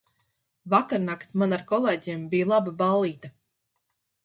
Vakarnakt man ar kolēģiem bija laba ballīte.